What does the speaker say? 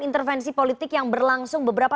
intervensi politik yang berlangsung beberapa